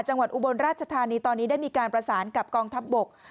อุบลราชธานีตอนนี้ได้มีการประสานกับกองทัพบก